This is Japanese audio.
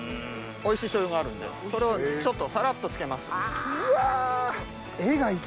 おいしいしょう油があるんでそれをちょっとサラっと付けます。